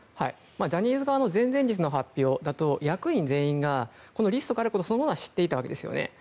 ジャニーズ側の前々日の発表だと役員全員がこのリストというのは知っていたわけですよね。